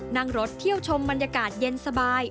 นั่งรถเที่ยวชมบรรยากาศเย็นสบาย